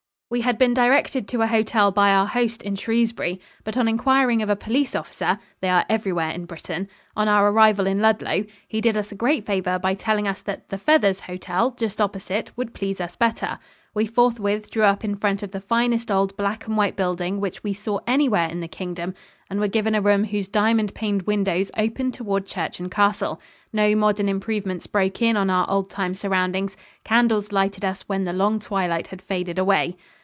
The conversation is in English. We had been directed to a hotel by our host in Shrewsbury, but on inquiring of a police officer they are everywhere in Britain on our arrival in Ludlow, he did us a great favor by telling us that "The Feathers" hotel just opposite would please us better. We forthwith drew up in front of the finest old black and white building which we saw anywhere in the Kingdom and were given a room whose diamond paned windows opened toward church and castle. No modern improvements broke in on our old time surroundings candles lighted us when the long twilight had faded away.